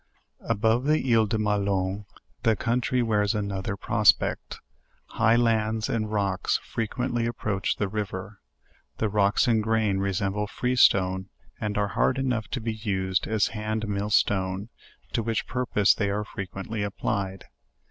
Above the isle de Mallon, the country wears another pros pect. High lands and rocks frequently approach the river. The rocks in grain, resemble freestone, and are hard enough to be used as hand mill stone, to which purpose they are fre quently applied